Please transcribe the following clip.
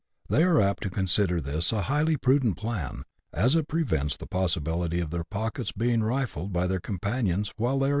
They are apt to consider this a highly prudent plan, as it prevents the possibility of their pockets being rifled by their companions while they are 28 BUSH LIFE IN AUSTRALIA. [chap.